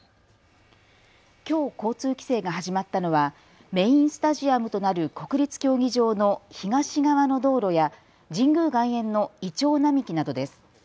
きょう交通規制が始まったのはメインスタジアムとなる国立競技場の東側の道路や神宮外苑のいちょう並木などです。